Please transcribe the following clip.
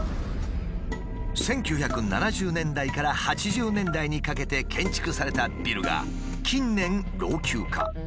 １９７０年代から８０年代にかけて建築されたビルが近年老朽化。